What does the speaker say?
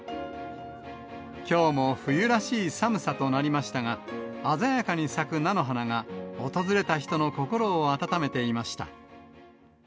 きょうも冬らしい寒さとなりましたが、鮮やかに咲く菜の花が、訪れた人の心を温めていました。